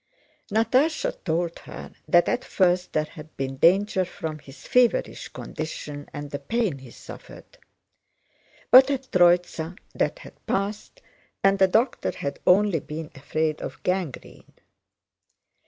Natásha told her that at first there had been danger from his feverish condition and the pain he suffered, but at Tróitsa that had passed and the doctor had only been afraid of gangrene.